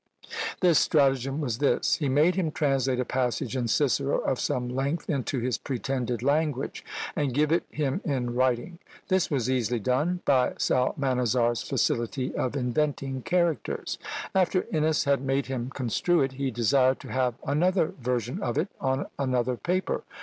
This stratagem was this: he made him translate a passage in Cicero, of some length, into his pretended language, and give it him in writing; this was easily done, by Psalmanazar's facility of inventing characters. After Innes had made him construe it, he desired to have another version of it on another paper.